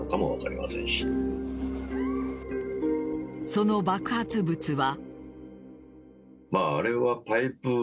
その爆発物は。